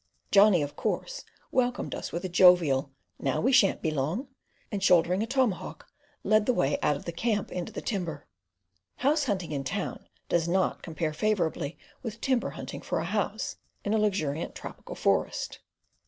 Johnny of course welcomed us with a jovial "Now we shan't be long," and shouldering a tomahawk, led the way out of the camp into the timber. House hunting in town does not compare favourably with timber hunting for a house, in a luxuriant tropical forest.